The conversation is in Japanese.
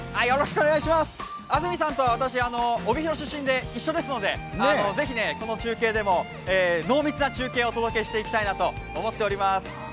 安住さんと私、帯広出身で一緒ですので、ぜひこの中継でも濃密な中継をお届けしたいと思っております。